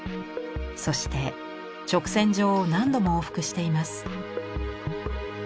そして直線上を何度も往復しています。